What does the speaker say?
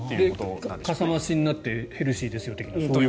かさ増しになってヘルシーですよ的な。